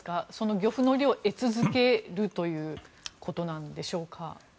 漁夫の利を得続けるということなんでしょうか。